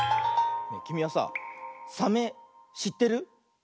きみはさサメしってる？